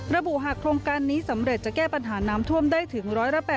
ระบุหากโครงการนี้สำเร็จจะแก้ปัญหาน้ำท่วมได้ถึง๑๘๐